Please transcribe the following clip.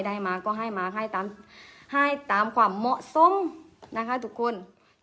ได้มาก็ให้มาให้ตามความเหมาะสมนะคะทุกคน